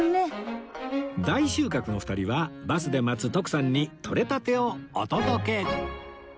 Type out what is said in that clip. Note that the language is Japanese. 大収穫の２人はバスで待つ徳さんにとれたてをお届け